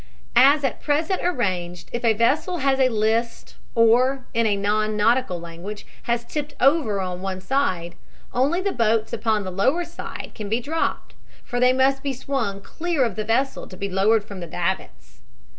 As at present arranged, if a vessel has a list, or, in non nautical language, has tipped over on one side, only the boats upon the lower side can be dropped, for they must be swung clear of the vessel to be lowered from the davits.